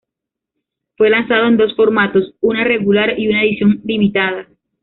Fue lanzado en dos formatos: una regular y una edición limitada.